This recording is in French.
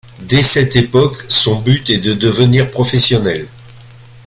Dès cette époque, son but est de devenir professionnel.